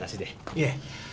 いえ。